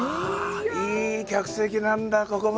いい客席なんだここが。